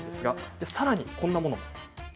さらに、こんなものも。